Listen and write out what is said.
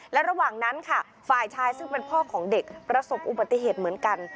และระหว่างนั้นค่ะฝ่ายชายซึ่งเป็นพ่อของเด็กประสบอุบัติเหตุเหมือนกัน